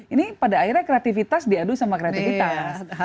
ini pada akhirnya kreativitas diadu sama kreativitas